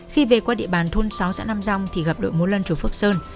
khi về qua địa bàn thôn sáu xã nam rong thì gặp đội múa lân chú phước sơn